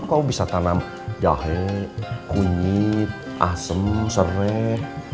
kamu bisa tanam jahe kunyit asem sereh